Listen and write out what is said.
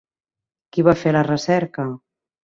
Qui va fer la recerca?